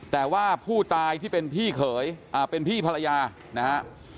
แต่ว่าผู้ตายที่เป็นพี่เขยเป็นพี่ภรรยานะฮะ